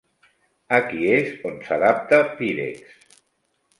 Aquí és on s'adapta Pyrex.